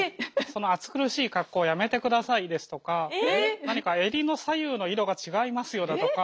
「その暑苦しい格好やめてください」ですとか「何か襟の左右の色が違いますよ」だとか。